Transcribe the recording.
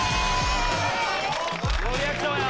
・ノーリアクションよ